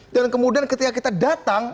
dan kemudian ketika kita datang